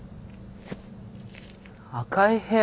赤い部屋？